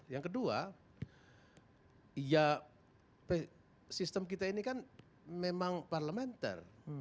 yang kedua ya sistem kita ini kan memang parlementer